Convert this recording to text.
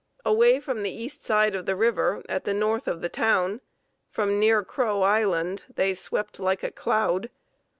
Away from the east side of the river at the north of the town, from near Crow Island, they swept like a cloud.